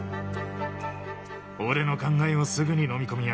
俺の考えをすぐに飲み込みやがった。